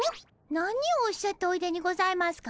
何をおっしゃっておいでにございますか？